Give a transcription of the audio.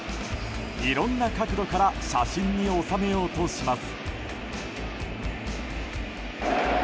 いろんな角度から写真に収めようとします。